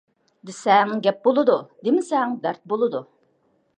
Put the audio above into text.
دىسەڭ گەپ بولىدۇ، دىمىسەڭ دەرد بولىدۇ.